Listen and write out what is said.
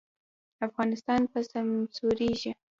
افغانستان به سمسوریږي